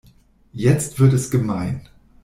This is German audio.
Jetzt wird es gemein.